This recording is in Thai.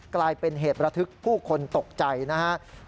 กลายเป็นเหตุระทึกผู้คนตกใจนะครับ